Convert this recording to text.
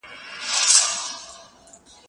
کتاب د زده کوونکي له خوا لوستل کيږي